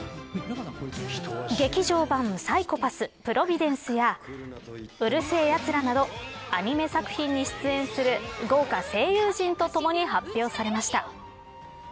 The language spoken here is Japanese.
劇場版サイコパスプロビデンスやうる星やつらなどアニメ作品に出演する豪華声優陣とともに発表されました。